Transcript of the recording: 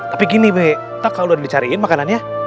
tapi gini be entah kalau udah dicariin makanannya